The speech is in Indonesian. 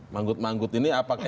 manggut manggut ini apakah